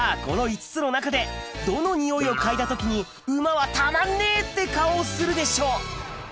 この５つの中でどのニオイを嗅いだ時に馬はたまんね！って顔をするでしょう？